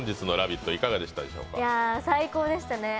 最高でしたね。